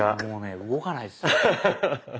もうね動かないですよ。